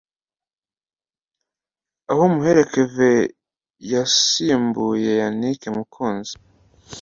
aho Muhire Kevin yasimbuye Yannick Mukunzi